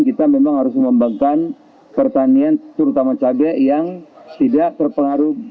kita memang harus mengembangkan pertanian terutama cabai yang tidak terpengaruh